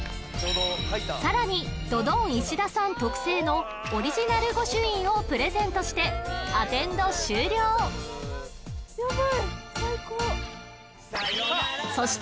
さらにドドん石田さん特製のオリジナル御朱印をプレゼントしてアテンド終了ありがとうございます